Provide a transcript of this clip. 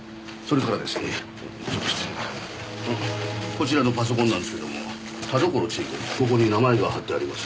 こちらのパソコンなんですけども「田所千枝子」とここに名前が貼ってあります。